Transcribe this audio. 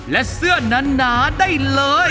และเสื้อหนาได้เลย